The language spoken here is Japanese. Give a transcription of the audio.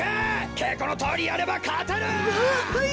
けいこのとおりやればかてる！ははい。